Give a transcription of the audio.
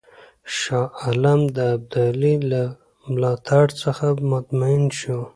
شاه عالم د ابدالي له ملاتړ څخه مطمئن شو.